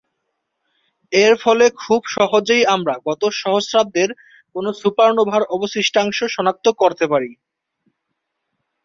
এর ফলে খুব সহজেই আমরা গত সহস্রাব্দের কোনো সুপারনোভার অবশিষ্টাংশ শনাক্ত করতে পারি।